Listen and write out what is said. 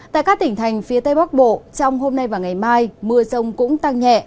tại các tỉnh thành phía tây bắc bộ trong hôm nay và ngày mai mưa rông cũng tăng nhẹ